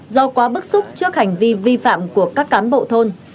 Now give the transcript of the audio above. do quá bức xúc trước hành vi vi phạm của các cán bộ thôn